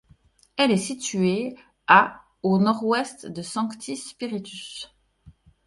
Elle est située à au nord-ouest de Sancti Spíritus.